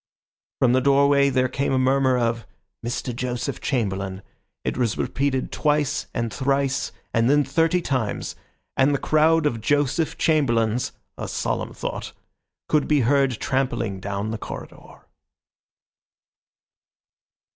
From the doorway there came a murmur of "Mr. Joseph Chamberlain." It was repeated twice and thrice, and then thirty times, and the crowd of Joseph Chamberlains (a solemn thought) could be heard trampling down the corridor.